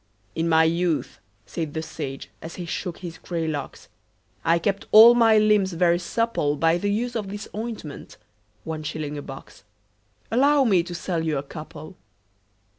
"In my youth," said the sage, as he shook his grey locks, "I kept all my limbs very supple By the use of this ointment one shilling a box Allow me to sell you a couple?"